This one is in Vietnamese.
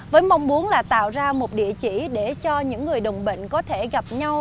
với mong muốn là tạo ra một địa chỉ để cho những người đồng bệnh có thể gặp nhau